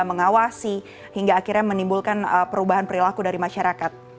mengawasi hingga akhirnya menimbulkan perubahan perilaku dari masyarakat